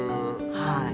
はい